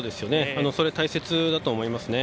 それは大切だと思いますね。